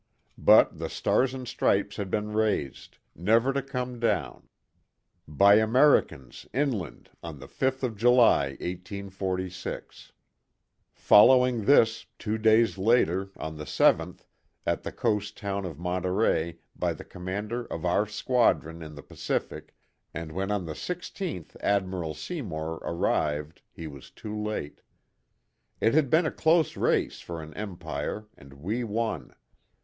But the Stars and Stripes had been raised, never to come down : by Americans, inland, on the fifth of July, 1846; following this, two days later, on the seventh, at the coast town of Monterey by the commander of our squadron in the Pacific; and when on the sixteenth Admi ral Seymour arrived he was too late. It had KIT CARSON. 25 been a close race for an empire and we won.